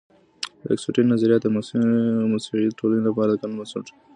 د اګوستين نظريات د مسيحي ټولنو لپاره د قانون بنسټ سو.